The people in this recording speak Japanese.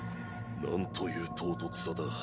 なんという唐突さだ。